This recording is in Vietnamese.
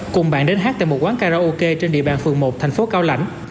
cùng bạn đến hát tại một quán karaoke trên địa bàn phường một thành phố cao lãnh